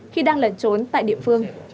khi đang lẩn trốn tại địa phương